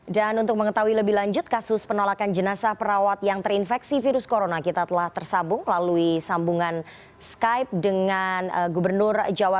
jangan lupa like share dan subscribe ya